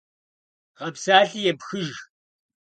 Гъэпсалъи епхыж.